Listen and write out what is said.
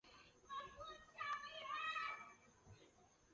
里奥拉戈是巴西阿拉戈斯州的一个市镇。